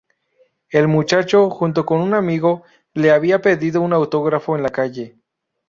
El muchacho, junto con un amigo, le habían pedido un autógrafo en la calle.